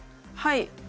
はい。